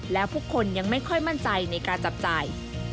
และผู้คนยังไม่ค่อยมั่นใจในการจับจ่าย